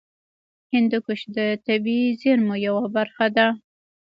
هندوکش د طبیعي زیرمو یوه برخه ده.